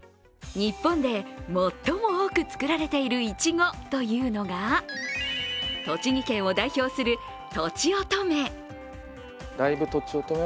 日本で最も多く作られているいちごというのが栃木県を代表する、とちおとめ。